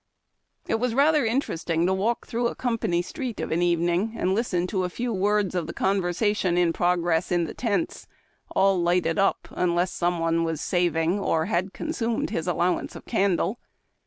It was rather interesting to walk through a company street of an evening, and listen to a few words of the conversation in progress in the tents — all lighted up, unless some one was saving or had consumed his allowance of candle.